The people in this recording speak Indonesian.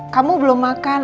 kamu belum makan